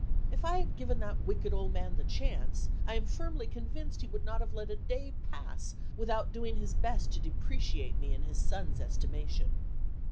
If I had given that wicked old man the chance, I am firmly convinced he would not have let a day pass without doing his best to depreciate me in his son's estimation.